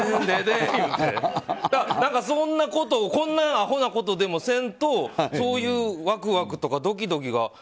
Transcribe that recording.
そんなあほなことでもせんとそういうワクワクとかドキドキが。